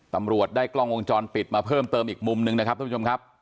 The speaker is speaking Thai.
ตำรวจได้กล้องวงจรปิดมาเพิ่มเติมอีกมุมนึงนะครับท่านผู้ชมครับ